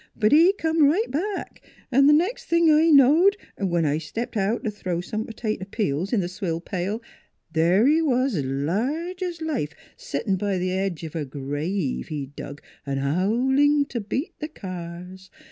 " But he come right back, an' th' nex' thing I knowed when I stepped out to throw some p'tato peels in th' swill pail there he was 's large 's life settin' b' th' edge of a grave he'd dug 'n' howlin' t' beat the cars!